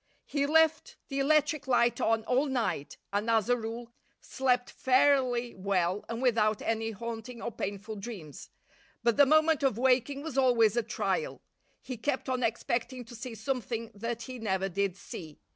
He left the electric light on all night and, as a rule, slept fairly well and without any haunting or painful dreams. But the moment of waking was always a trial. He kept on expecting to see something that he never did see.